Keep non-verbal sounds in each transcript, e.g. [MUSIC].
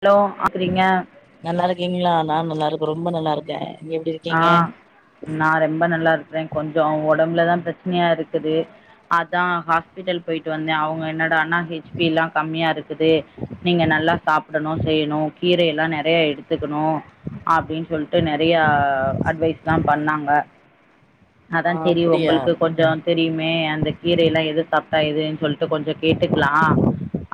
hello ஆக்குறீங்க நல்லா இருக்கீங்களா நான் நல்லா இருக் ரொம்ப நல்லா இருக்கேன் க் ஆ நா ரொம்ப நல்லா இருக்குறேன் கொஞ்சம் உடம்புல தான் பிரச்சனையாக இருக்குது அதான் ஹாஸ்பிட்டல் போயிட்டு வந்தேன் அவுங்க என்னடா ஆனா ஹெச்பிய எல்லாம் கம்மியா இருக்குது நீங்கள் நல்லா சாப்படணும் செய்யணும் கீரயெல்லாம் நெறையா எடுத்துக்கணும் அப்டின்னு சொல்லிட்டு நெறையா ய அட்வைஸ் தான் பண்ணாங்க ஆ அதான் சேரி அப்டியா உங்களுக்கு கொஞ்சோம் தெரியுமே அந்த கீர எல்லாம் எது தப்பா எதுன்னு சொல்லிட்டு கொஞ்சோம் கேட்டுக்கலாம்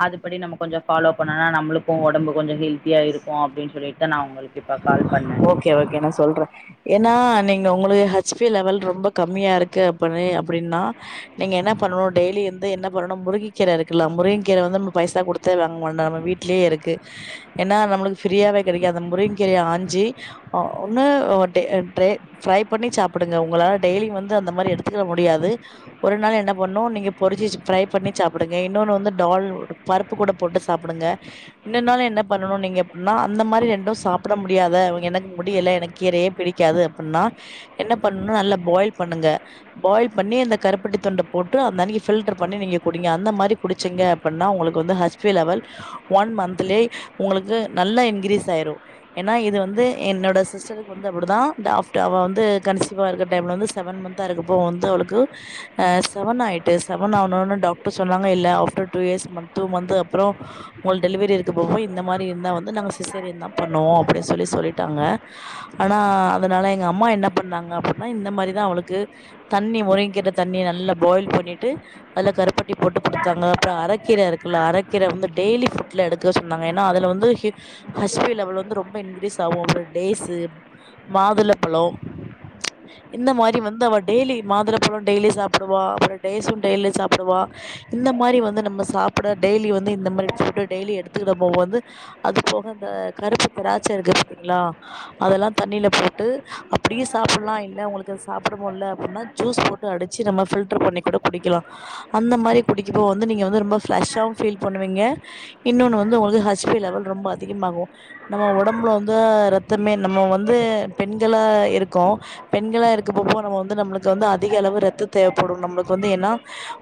அதுபடி நம்ம கொஞ்சோம் ஃபாலோ பண்ணனா நம்மளுக்கும் ஒடம்பு கொஞ்சம் ஹெல்தியா இருக்கும் அப்டின்னு சொல்லிட்டு தான் நான் உங்களுக்கு இப்ப கால் பண்ணே ஓகே ஓகே நான் சொல்றேன் ஏன்னா நீங்க உங்களுக்கு ஹெச்பி லெவல் ரொம்ப கம்மியா இருக்கு அப்பனு அப்டின்னா நீங்க என்ன பண்ணனும் டெய்லி வந்து என்ன பண்ணனும் முருங்கக்கீர இருக்குல முருங்க கீரை வந்து நம்ம பைசா கொடுத்தே வாங்க மா நம்ம வீட்லேயே இருக்கு ஏன்னா நம்மளுக்கு ஃப்ரியாவே கெடைக்கிது அந்த முருங்க கீரிய ஆஞ்சி ஒன்னு ஃபிரை பண்ணி சாப்படுங்க உங்களால டெய்லி வந்து அந்த மாரி எடுத்துக்க முடியாது ஒரு நாள் என்ன பண்ணும் நீங்க பொறிச்சு ஃபிரை பண்ணி சாப்படுங்க இன்னொன்னு வந்து டால் பருப்பு கூட போட்டு சாப்படுங்க இன்னொரு நால் என்ன பண்ணும் நீங்க எப்டினா அந்த மாரி ரெண்டும் சாப்பிட முடியாத எனக்கு முடியல எனக்கு கீரயே பிடிக்காது அப்டின்னா என்ன பண்ணும் நல்லா பாயில் பண்ணுங்க பாயில் பண்ணி இந்த கருப்பட்டி துண்ட போட்டு அந்த அன்னைக்கு ஃபில்டர் பண்ணி நீங்க குடிங்க அந்த மாரி குடிச்சீங்க அப்டின்னா உங்களுக்கு ஹ ச் பி லெவல் ஒன் மந்த்லே உங்களுக்கு நல்லா இன்கிரீஸ் ஆயுரும் ஏன்னா இது வந்து என்னோட சிஸ்டருக்கு வந்து அப்டிதான் ஆஃப்டர அவ வந்து கன்சீவா இருக்க டைம்ல வந்து செவன் மந்தா இருக்கப்போ வந்து அவளுக்கு செவன் ஆயிட்டு செவன் ஆவுணோன டாக்டர் சொன்னாங்க இல்ல after two years month two month அப்பறோம் உங்ளுக்கு டெலிவரி இருக்கப்போ இந்த மாரி இருந்தா வந்து நாங்க சிசேரியன் தான் பண்ணுவோம் அப்டின்னு சொல்லி சொல்லிட் சொல்லிட்டாங்க ஆனா அதனால எங்க அம்மா என்ன பண்ணாங்க அப்டின்னா இந்த மாரிதான் அவளுக்கு தண்ணி முருங்கக்கீர தண்ணி நல்ல பாயில் பண்ணிட்டு அதுல கருப்பட்டி போட்டு குடுத்தாங்க அப்புறோம் அரக்கீர இருக்குல அரக்கீர வந்து டெய்லி் ஃபுட்ல எடுத்துக்க சொன்னாங்க ஏன்னா அதுல வந்து ஹச்பி லவல் வந்து ரொம்ப இன்கிரீஸ் தா வோரு டேட்ஸ் மாதுளப்பழம் இந்த மாரி வந்து அவ டெய்லி மாதுளப்பழம் டெய்லி சாப்படுவா அப்பறம் டேட்ஸு டெய்லி சாப்படுவா இந்த மாரி வந்து நம்ம சாப்பட டெய்லி வந்து இந்த மாரி டெய்லி எடுத்துக்கிட போது வந்து அது போக இந்த கருப்பு திராச்ச இருக்குது இருக்குங்லா அதெல்லாம் தண்ணில போட்டு அப்டியே சாப்படலாம் இல்ல உங்களுக்கு சாப்பட மோடில அப்டின்னா ஜூஸ் போட்டு அடிச்சு நம்ம பண்ணி கூட குடிக்கலாம் அந்த மாரி குடிக்கப்போ வந்துஃபிளஸாவு ஃபீல் பண்ணுவீங்க இன்னொன்னு வந்து உங்களுக்கு ஹச்பி வல் ரொம்ப அதிகமாகும் நம்ம உடம்புல வந்து ரத்தமே நம்ம வந்து பெண்களா இருக்கோம் பெண்களா இருக்கப்போ நம்ம வந்து நம்மளுக்கு வந்து அதிக அளவு ரத்தோ தேவைப்படும் நம்ம வந்து ஏன்னா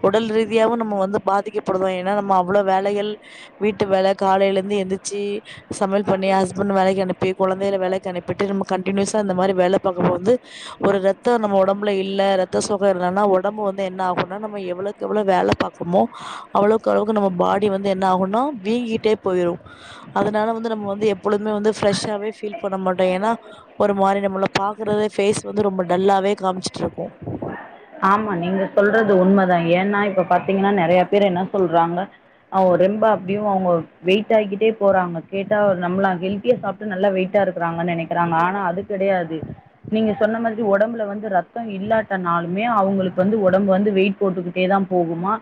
உடல் ரீதியாவும் நம்ம வந்து பாதிக்கப்படுவோம் ஏன்னா நம்ம அவ்ளோ வேலைகள் வீட்டு வேல காலயில இருந்து எந்திரச்சு சமையல் பண்ணி ஹஸ்பண்ட் வேலக்கி அனுப்பி ய் கெழந்தைல வேலக்கி அனுப்பிட்டு நம்ம கண்டினியூசா இந்த மாரி வேல பாக்கும்போது வந்து ஒரு ரத்தம் நம்ம உடம்புல இல்ல ரத்த சோக இல்லன்னா உடம்பு வந்து என்ன ஆகும்னா நம்ம எவ்ளோக்கு எவ்ளோ வேல பாக்குரோமோ அவ்ளோக்கு அளவுக்கு நம்ம பாடி வந்து என்ன ஆகும்னா வீங்கிட்டே போயிரும் அதனால வந்து நம்ம வந்து எப்பொழுமே வந்து ஃப்ரெஷ்ஷாவவே ஃபீல் பண்ண மாட்டோம் ஏன்னா ஒரு மாரி நம்மள பாக்கறத ஃபேஸ் வந்து ரொம்ப டல்லாவே காமிச்சுட்டு இருப்போம் ஆமா நீங்க சொல்றது உண்மதான் ஏன்னா இப்ப பாத்தீங்கன்னா நெறைய பேர் என்ன சொல்றாங்க அவங்க ரொம்ப அப்டியும் அவங்க வெயிட் ஆக்கிட்டே போறாங்க கேட்டா நம்மளாம் ஹெல்த்தியா சாப்பட்டு நல்லா வெயிட்டா இருக்கிறாங்கன்னு நெனைக்கிறாங்க ஆனா அது கெடையாது நீங்க சொன்ன மாரி உடம்புல வந்து ரத்தம் இல்லாட்டனாலு அவங்களுக்கு வந்து உடம்பு வந்து வெயிட் போட்டுக்கிட்டே தான் போகுமா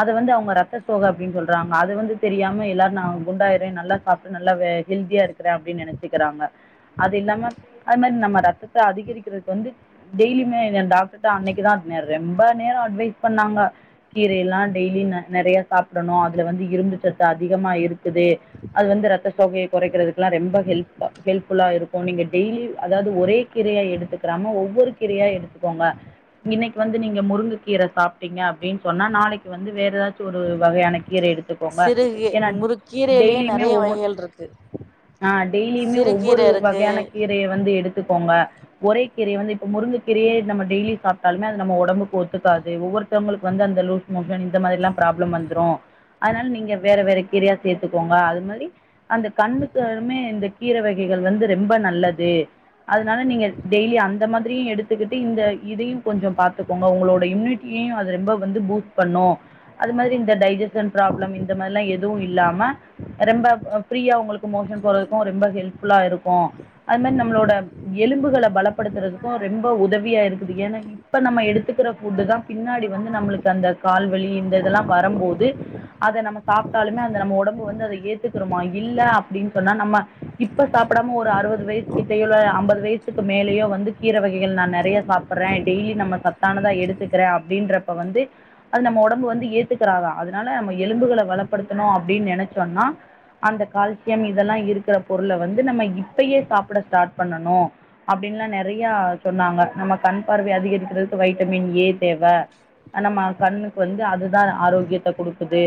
அத வந்து அவங்க ரத்த சோக அப்டின்னு சொல்றாங்க அது வந்து தெரியாம எல்லா நான் குண்டாயிறேன் நல்லா சாப்பிட் நல்லவே ஹெல்தியா இருக்கிறேன் அப்டினு நினைச்சுக்குறாங்க அது இல்லாம அது மாரி நம்ம ரத்தத்த அதிகரிக்கிறதுக்து வந்து டெய்லி மே டாக் தா அண்ணைக்குதான் நெறைய ரொம்ப நேரோம் அட்வைஸ் பண்ணாங்க கீர எல்லாம் டெய்லி நெறைய சாப்படணும் அதுல வந்து இரும்பு சத்து இது அதிகமா இருக்கு இது அது வந்து ரத்த தொப்பய கொறைக்கிறதுக்குலாம் ரொம்ப ஹெல்ப் ஹெல்ப் ஃபுல்லா இருக்கும் நீங்க டெய்லி அதாவது ஒரே கீரயா எடுத்துக்கிறாம ஒவ்வொரு கீரயா எடுத்துக்கோங்க இன்னைக்கு வந்து நீங்க முருங்க கீர சாப்பட்டீங்க அப்டின்னு சொன்னா நாளக்கி வந்து வேற ஏதாச்சும் ஒரு வகையான கீர கீர எடுத்துக்கோங்க சிறுகீ ஏன்னா முறுக்கீரையிலயே டெய்லியுமே நெறைய ஒவ்வொரு வகைகள் இருக்கு ஆ டெய்லியுமே சிறுகீர ஒவ்வொரு இருக்கு வகையான கீரய வந்து எடுத்து எடுத்துகோங்க ஒரே கீரய வந்து இப்ப முருங்க கீரயே நம்ம டெய்லி சாப்பட்டாலுமே அது நம்ம ஒடம்புக்கு ஒத்துக்காது ஒவ்வருத்தவங்களுக்கு வந்து அந்தலூ மோசன் இந்த மாரிலாம் ப்ராப்ளம் வந்துரும் அதனால நீங்க வேற வேற கீரயா சேத்துக்கோங்க அது மாரி அந்த கண்ணுக்குலாமே இந்த கீர வகைகள் வந்து ரெம்ப நல்லது அதனால நீங்க டெய்லி அந்த மாதிரி கீர எடுத்துக்கிட்டு இந்த இதயும் கொஞ்சோம் பாத்துக்கோங்க உங்களோட இம்யூனிட்டியையும் அது ரொம்ப வந்து பூஸ்ட் பண்ணும் அது மாரி இந்த டைஜசன் ப்ராப்ளம் இந்த மாதிரிலாம் எதுவும் இல்லாம ரெம்ப ஃப்ரீயா உங்களுக்கு மோஷன் போறதுக்கும் ரொம்ப ஹெல்ப்ஃபுல்லா இருக்கும் அது மாரி நம்மளோட எலும்புகள பலப்படுத்துறதுக்கும் ரெம்ப உதவியா இருக்கு இப்ப நம்ம எடுத்துக்கிற ஃபுட்டு தான் பின்னாடி வந்து நம்மளுக்கு அந்த கால்வலி இந்த இதெல்லாம் வரும்போது அத நம்ம சாப்பட்டாலுமே அந்த நம்ம உடம்பு வந்து அத ஏத்துக்கிறோமா இல்ல அப்டின்னு சொன்னா நம்ம இப்ப சாப்படாம ஒரு அறுபது வயசு கிட்டோ ஐம்பது வயசுக்கு மேலயோ வந்து கீர வகைகள் நான் நெறைய சாப்ப சப்றேன் டெய்லி நம்ம சத்தானதா எடுத்துக்கிறேன் அப்டின்றப்ப வந்து அது நம்ம ஒடம்பு வந்து ஏத்துக்கிறாதா அதனால நம்ம எலும்புகள வளப்படுத்தணும் அப்டின்னு நினைச்சோன்னா அந்த கால்சியம் இதெல்லாம் இருக்கிற பொருள வந்து நம்ம இப்பயே சாப்பிட ஸ்டார்ட் பண்ணணும் அப்படின்னுலாம் நெறைய சொன்னாங்க நம்ம கண் பார்வை அதிகரிக்கிறதுக்கு வைட்டமின் ஏ தேவ நம்ம கண்ணுக்கு வந்து அதுதான் ஆரோக்கியத்த குடுக்குது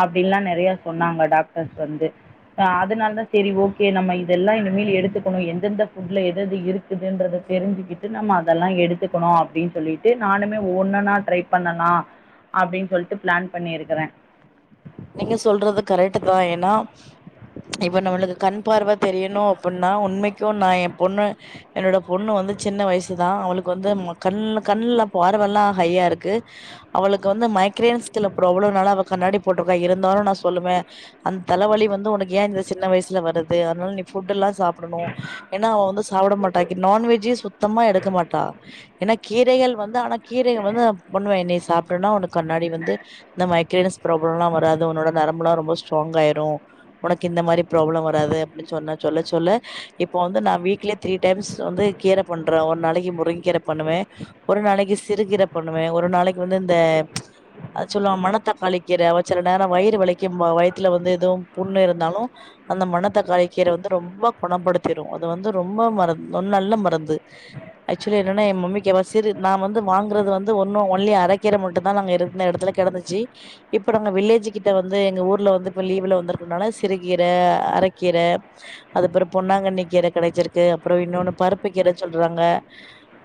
அப்டின்லாம் நெறைய சொன்னாங்க டாக்டர்ஸ் வந்துஹ அதனால தான் செரியா ஓகே நம்ம இதெல்லாம் இனிமேல் எடுத்துக்கணும் எந்தெந்த ஃப்ட்ல எதது இருக்குதுன்றத தெரிஞ்சுக்கிட்டு நம்ம எதல்லாம் எடுத்துக்கணும் அப்டின்னு சொல்லிட்டு நானுமே ஒன்னனா டரை பண்ணலாம் அப்டின்னு சொல்லிட்டு பிளான் பண்ணிருக்கறேன் நீங்க சொல்றது கரெக்ட் தான் ஏன்னா இப்ப நம்மளுக்கு கண் பார்வ தெரியணும் அப்டின்னா உண்மைக்கு என்னிக்கோ நாயென் பொண்ண என்னோட பொண்ணு வந்து சின்ன வயசு தான் அவளுக்கு வந்து கண் கண்ணல பார்வெல்லாம் ஹையா இருக்கு அவளுக்கு வந்து மைக்ரன்ஸ்கல ப்ராப்ளம்நால அவ கண்ணாடி போட்டிருக்கா இருந்தாலும் நான் சொல்லுவன் அந்த தலைவழி வந்து என் சின்ன வயசுல வருது அதனால நீ புட்லாம் சாப்படணும் ஏன்னா அவ வந்து சாப்பட மாட்டா நானவெஜ்ஜு சுத்தமா எடுக்க மாட்டா ஏன்னா கீரகள் வந்து [INAUDIBLE] கீரகள் வந்து பொண்ணகன்னி சாப்பட்டனா உனக்கு கன்னாடி வந்து இந்த மைக்ரன்ஸ் அதலாம் வராது உன்னோட நரம்புல ரொம்ப ஸ்ட்ராங் ஆயிறும் உனக்கு இந்த மாறி ப்ராப்ளம் வராது சொன்ன சொல்லல இப்ப வந்து நான் வீக்லி த்ரீ டைம்ஸ் கீரை பண்றேன் ஒரு நாளைக்கு முருங்கைக்கீரை பண்ணுவேன் ஒரு நாளைக்கு சிறுகீரை பண்ணுவேன் ஒரு நாளைக்கு இந்த சொலுவோல மனதக்காலி கீர சில நேரம் வயிறு வலிக்கும் வயிறத்துல வந்து எதுவும் புண்ணு இருந்தாலும் அந்த மண தக்காளி கீர வந்து ரொம்ப குணப்படுத்திடும் அது வந்து ரொம்ப மருந்து நல்ல மருந்து ஆக்சுவலி என்னன்னா என் மம்க்கு ச நான் வந்து வாங்குறது வந்து ஒன்னும் ஒன்லி அரக்கீர மட்டும் தான் நாங்க இருந்த இடத்துல கிடந்துச்சு இப்ப நாங்க வில்லேஜ் கிட்ட வந்து எங்க ஊர்ல வந்து இப்ப லீவ்ல வந்திருக்கோனால சிறுகீர அரைக்கீர அதுப்பறம் பொன்னாங்கண்ணி கீர கெடைச்சிருக்கு அப்பறம் இன்னொன்னு பருப்பு கீர சொல்றாங்க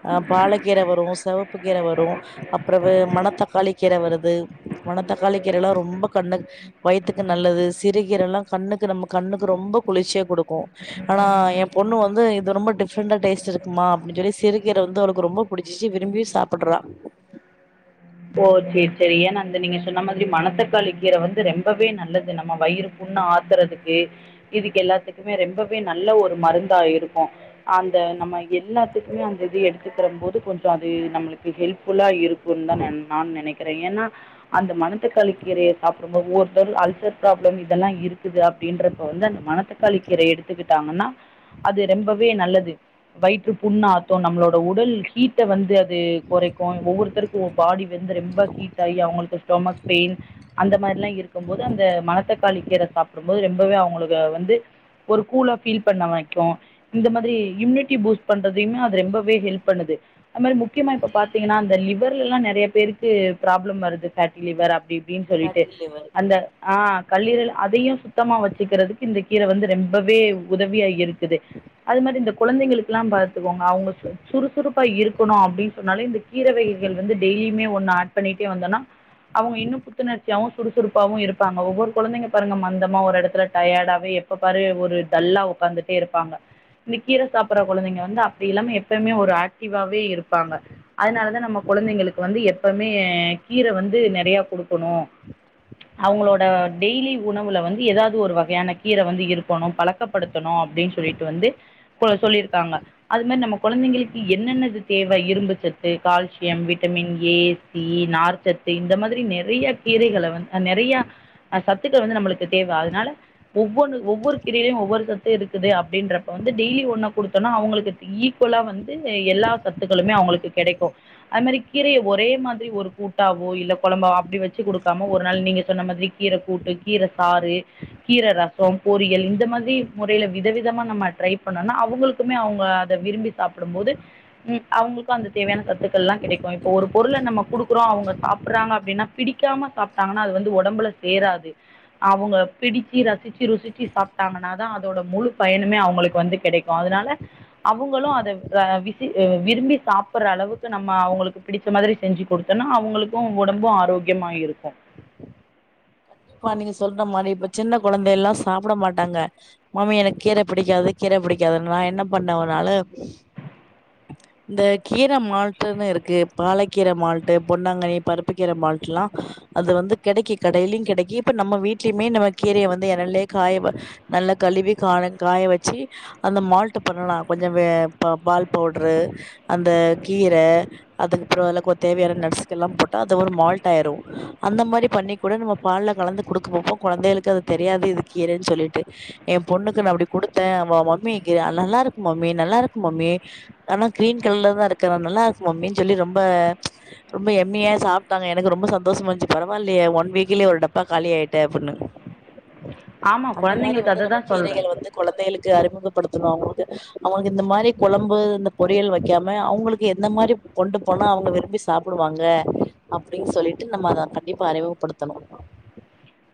ஆஹ் பாலக்கீர வரும் செவப்பு கீர வரும் அப்பறம் மணத்தக்காளி கீர வருது மணத்த தக்காளி கீர எல்லாம் ரொம்ப கண்ணு வயிறத்துக்கு நல்லது சிறுகீர எல்லாம் கண்ணுக்கு நம்ம கண்ணுக்கு ரொம்ப குளிச்சியே கொடுக்கும் ஆனா என் பொண்ணு வந்து இது ரொம்ப டிஃப்ரெண்டா டேஸ்ட் இருக்குமா அப்டின்னு சொல்லி சிறுகீர வந்து அவளுக்கு ரொம்ப குடிச்சிச்சு விரும்பி சாப்படுறா ஓ செரி செரி ஏன்னா அந்த நீங்க சொன்ன மாரி மனத்தக்காளி கீர வந்து ரொம்பவே நல்லது நம்ம வயிறு புண்ணு ஆத்துறதுக்கு இதுக்கு எல்லாத்துக்குமே ரெம்பவே நல்ல ஒரு மருந்த ஆ இருக்கும் அந்த நம்ம எல்லாத்துக்குமே அந்த இது எடுத்துக்கிற போது கொஞ்சம் அது நம்மளுக்கு ஹெல்ப்புல்லா இருக்கும் தான் நன் நான் நினைக்கிறேன் ஏன்னா அந்த மணத்தக்காளி கீரயை சாப்பிடும்போது ஒவ்வொருத்தரு அல்சர் ப்ராப்ளம் இதெல்லாம் இருக்குது அப்டின்றப்ப வந்து அந்த மணத்தக்காளி கீர எடுத்துக்கிட்டாங்கன்னா அது ரொம்பவே நல்லது வயிற்று புண்ணாத்தும் நம்மளோட உடல் ஹீட்ட வந்து ந்து குறைக்கும் ஒவ்வொருத்தருக்கும் ஒரு பாடி வந்து ரொம்ப ஹீட் ஆகி அவங்களுக்கு ஸ்டோமக் பெயின் அந்த மாரிலாம் இருக்கும்போது அந்த மணத்தக்காளி கீர சாப்படும் போது ரொம்ப அவங்க வந்து ஒரு கூலா பீல் பண்ண வக்கும் இந்த மாரி இம்யூனி போஸ்ட் பண்றதுே ரொம்பவே ஹெல்ப் பண்ணுது மா முக்கியமா இத்தீங்கன்னா லிவர் எல்லாம் நைய பேருக்கு ப்ராப்ளம் வருது பேட்டி லிவர் அப்படி அப்டின்னு சொல்லிட்டு ஃபேட்டி லிவர் அந்த ஆ கல்லீரல் அதயும் சுத்தமா வச்சுக்கிறதுக்கு இந்த கீர வந்து ரொம்பவே உதவியா இருக்கு அது மாரி இந்த கெழந்தைகளுக்குகெல்லாம் பாத்தக்கோங்க அவங்க சுறுசுறுப்பா இருக்கணும் அப்டின்னு சொன்னாலே இந்த கீர வகைகள் வந்து டெய்லி [INAUDIBLE] இன்னும் புத்துணர்ச்சிய சுறுசுறுப்பாவும் இருப்பாங்க ஒவ்வொரு கெழந்தை பாருங்க மந்தமா ஒரு இடத்துல டயர்ட் எப்ப பாரு டல்லா உகாந்துட்டே இருப்பாங்க இந்த கீர சாப்படுற கெழந்தைங்க வந்து அப்டி இல்லாம எப்மே ஆக்டிவ் அ இருப்பாங்க அதனாலதான் நம்ம கெழந்தைங்களுக்கு வந்து எப்வுமே கீர வந்து நெறைய கொடுக்கணும் அவங்களோட டெய்லி உணவுல வந்து ஏதாவது ஒரு வகையான கீர வந்து இருக்கணும் பழக்கப்படுத்தணும் அப்டின்னு சொல்லிட்டு வந்து சொல்லியிருக்காங்க அது மாரி நம்ம கெழந்தைங்களுக்கு என்னென்னது தேவை இரும்பு சத்து கால்சியம் விட்டமின் ஏ பீ நார்ச்சத்து இந்த மாரி நெறைய கீரகளை வந்து நெறைய ஆ இசத்துக்களை வந்து நம்மளுக்கு தேவை அதனால ஒவ்வொன்னு ஒவ்வொரு கீரயிலயும் ஒவ்வொரு சத்து இருக்குது அப்டின்றப்ப வந்து டெய்லி ஒண்ணு கொடுத்தோம்னா அவங்களுக்கு ஈக்குவலா வந்து எல்லா சத்துக்களுமே அவங்களுக்கு கெடைக்கும் அதே மாரி கீரய ஒரே மாரி ஒரு கூட்டாவோ இல்ல குழம்பாவோ அப்டி வச்சு குடுக்காம ஒரு நாள் நீங்க சொன்ன மாரி கீர கூட்டு கீர சாறு கீர ரசம் பொரியல் இந்த மாரி முறையில விதவிதமா நம்ம ட்ரை பண்ணோம்னா அவங்களுக்குமே அவங்க அத விரும்பி சாப்படும் போது அவங்களுக்கு அந்த தேவையான சத்துக்கள் எல்லாம் கெடைக்கும் இப்ப ஒரு பொருள நம்ம கொடுக்குறோம் அவங்க சாப்படறாங்க அப்டின்னா பிடிக்காம சாப்பட்டாங்கன்னா அது வந்து உடம்பல சேராது அவங்க பிடிச்சு ரசிச்சு ருசிச்சு சாப்பட்டாங்கன்னா தான் அதோட முழு பயணமே அவங்களுக்கு வந்து கெடைக்கும் அதனால அவங்களும் அதை விசி விரும்பி சாப்படுற அளவுக்கு நம்ம அவங்களுக்கு பிடிச்ச மாரி செஞ்சு கொடுத்தோனா அவங்களுக்கும் உடம்பும் ஆரோக்கியம இருக்கும் இப்ப நீங்க சொல்ற மாரி இப்ப சின்ன கெழந்தை எல்லாம் சாப்பட மாட்டாங்க மாமி எனக்கு கீர பிடிக்காது கீர பிடிக்காதுன்ன நான என்ன பண்ணனால இந்த கீர மால்ட்டுன்னு இருக்கு பாலக்கீர மால்ட்டு பொன்னாங்கனி பருப்பு கீர மால்ட் எல்லாம் அது வந்து கெடைக்க கடயிலயும் கெடைக்க இப்ப நம்ம வீட்லயுமே நம்ம கீரய வந்து என்னல்லயே காய நல்லா கழுவி கா காய வச்சு அந்த மால்ட் பண்ணலாம் கொஞ்சம் பால் பவுட்ரு அந்த கீர அதுக்கப்பறம் அதல்லாம் தேவையான நடஸு்க எல்லாம் போட்டா அது ஒரு மால்ட் ஆயிடும் அந்த மாரி பண்ணி கூட நம்ம பால்ல கலந்து கொடுக்க போப்போ குழந்தைகளுக்கு அது தெரியாது இது கீறன்னு சொல்லிட்டு என் பொண்ணுக்கு நான் அப்படி கொடுத்தேன் மம்மி நல்லா இருக்கும் மம்மி நல்லா இருக்கும் மம்மி ஆனா கிரீன் கலர்லதான் இருக்க நல்லா இருக்கும் மம்னு சொல்லி ரொம்ப ரொம்ப எம்மையா சாப்பிட்டாங்க எனக்கு ரொம்ப சந்தோஷம் இருந்துச்சு பரவாில்லைய ஒன் வீக்லயே ஒரு இப்பா கால ஆயிட்டே அப்படின்ண்ணனு ஆமாம் அந்த மாரி குழந்தைங்களுக்கு வந்து அதை நம்ம தான் சொல்கிறேன் கீரகள் வந்து கெழந்தைகளுக்கு அறிமுகம் ப்படுத்தணும் அவங்களுக்கு அவங்களுக்கு இந்த மாரி குழம்பு இந்த பொரியல் வைக்காம அவங்களுக்கு எந்த மாரி கொண்டு போனா அவங்க விரும்பி சாப்படுவாங்க அப்டின்னு சொல்லிட்டு நம்ம அத கண்டிப்பா அறிமுகப்படுத்தணும்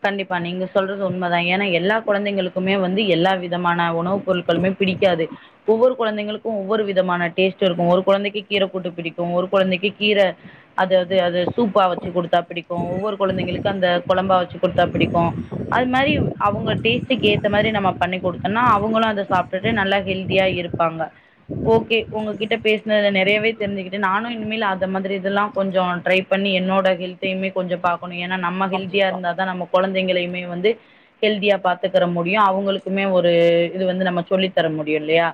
கண்டிப்பா நீங்க சொல்றது உண்மதான் ஏன்னா எல்லா கெழந்தைகளுக்குமே வந்து எல்லா விதமான உணவுப் பொருட்களுமே பிடிக்காது ஒவ்வொரு கெழந்தைகளுக்கும் ஒவ்வொரு விதமான டேஸ்ட் இருக்கும் ஒரு கெழந்தைக்கு கீர கூட்டு பிடிக்கும் ஒரு கெழந்தைக்கு கீரை அதாவது அது சூப்பாக வச்சு கொடுத்தா பிடிக்கும் ஒவ்வொரு கெழந்தைங்களுக்கும் அந்த குழம்பா வச்சு கொடுத்தா பிடிக்கும் அது மாரி அவங்க டெஸ்டிக்கு ஏத மாரி நம்ம பண்ணிடுத்தோம்னா அவங்களும் அத சாப்பட்டு நல்லா ஹெல்தியா இருப்பாங்க ஓகே உங்ககிட்ட பேசினது நெறையவே தெரிஞ்சுக்கிட்டு நானும் இனிமேல் அந்த மாரி இதெல்லாம் கொஞ்சம் ட்ரை பண்ணி என்னோட ஹெல்த்தையும் கொஞ்சம் [UNINTELLIGIBLE] ஏன்னா நம்ப ஹெல்தியா கண்டிப்பா இருந்தா நம்ம கொழந்தைங்களையுமே வந்து ஹெல்தியா பாத்துக்கற முடியும் அவங்களுக்குமே ஒரு இது வந்து நம்ம சொல்லி தர முடியும் இல்லயா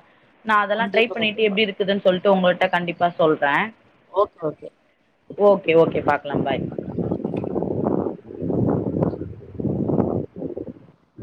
நா அதெல்லா ட்ரை கண்டிப்பா பண்ணிட்டு கண்டிப்பா எப்டி இருக்குதுன்னு சொல்ட்டு உங்கள்ட்ட கண்டிப்பா சொல்றே ஓகே ஓகே ஓகே ஓகே பாக்கலா பாய்